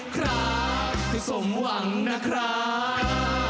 คราบที่สมหวังนะคราบ